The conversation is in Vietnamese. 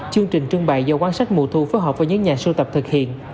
chương trình trưng bày do quan sát mùa thu phối hợp với những nhà sưu tập thực hiện